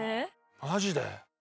マジで？